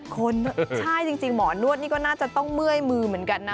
คนใช่จริงหมอนวดนี่ก็น่าจะต้องเมื่อยมือเหมือนกันนะ